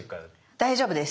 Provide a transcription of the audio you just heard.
大丈夫です。